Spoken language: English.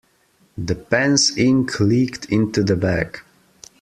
The pen's ink leaked into the bag.